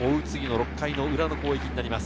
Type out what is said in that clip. ６回の裏の攻撃です。